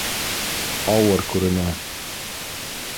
Ауыр күренә.